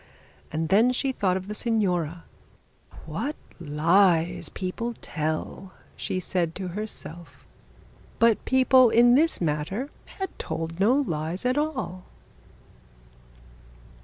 And then she thought of the signora. 'What lies people tell,' she said to herself. But people in this matter had told no lies at all.